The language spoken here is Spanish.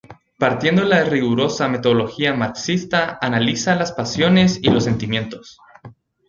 Partiendo de la rigurosa metodología marxista analiza las pasiones y los sentimientos.